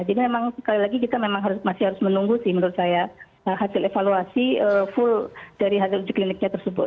jadi mengangk sekali lagi kita memang harus masih menunggu sih menurut saya hasil evaluasi full dari hasil uji kliniknya tersebut